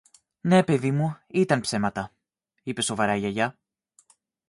Ναι, παιδί μου, ήταν ψέματα, είπε σοβαρά η Γιαγιά.